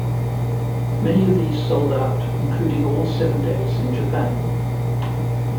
Many of these sold out, including all seven dates in Japan.